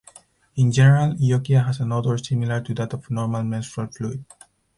In general, lochia has an odor similar to that of normal menstrual fluid.